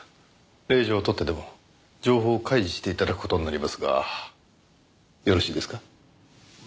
令状を取ってでも情報を開示して頂く事になりますがよろしいですか？